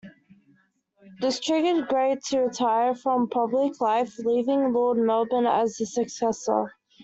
This triggered Grey to retire from public life, leaving Lord Melbourne as his successor.